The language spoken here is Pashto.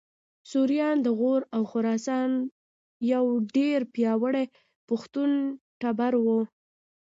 سوریان د غور او خراسان یو ډېر پیاوړی پښتون ټبر و